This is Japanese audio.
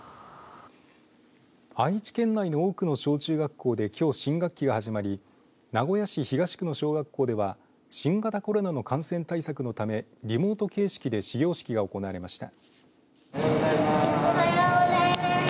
愛知県内の多くの小中学校できょう新学期が始まり名古屋市東区の小学校では新型コロナの感染対策のためリモート形式で始業式が行われました。